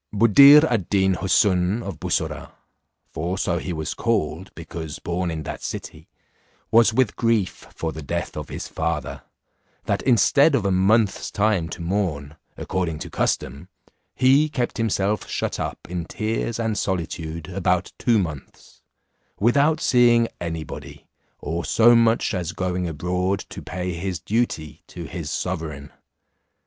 Buddir ad Deen Houssun of Bussorah, for so he was called, because born in that city, was with grief for the death of his father, that instead of a month's time to mourn, according to custom, he kept himself shut up in tears and solitude about two months, without seeing any body, or so much as going abroad to pay his duty to his sovereign.